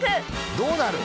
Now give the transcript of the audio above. どうなる？